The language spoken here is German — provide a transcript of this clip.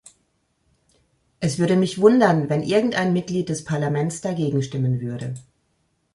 Es würde mich wundern, wenn irgendein Mitglied des Parlaments dagegen stimmen würde.